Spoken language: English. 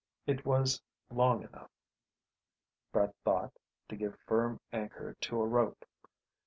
It was long enough, Brett thought, to give firm anchor to a rope.